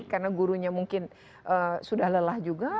karena gurunya mungkin sudah lelah juga